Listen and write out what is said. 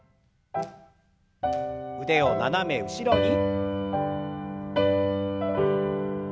腕を斜め後ろに。